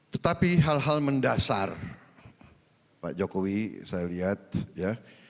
tetapi hal hal mendasar pak jokowi saya lihat ya